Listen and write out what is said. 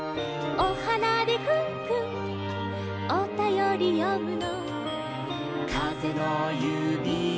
「おはなでクンクンおたよりよむの」